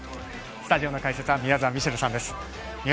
スタジオの解説は宮澤ミシェルさんです。